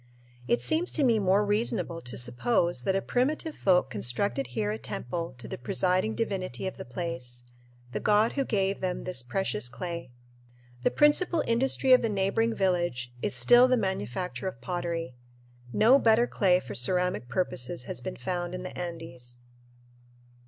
It seems to me more reasonable to suppose that a primitive folk constructed here a temple to the presiding divinity of the place, the god who gave them this precious clay. The principal industry of the neighboring village is still the manufacture of pottery. No better clay for ceramic purposes has been found in the Andes.